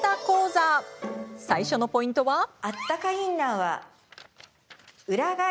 講座最初のポイントは。